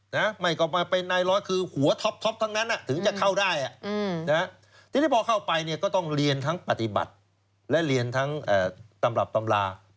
ในร้อยคือหัวท็อปทั้งนั้นถึงจะเข้าได้ทีนี้พอเข้าไปเนี่ยก็ต้องเรียนทั้งปฏิบัติและเรียนทั้งตำรับตำรา